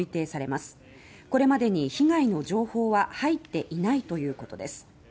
これまでに被害の情報は入っていないということです。